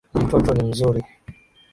Mtoto ni mzuri.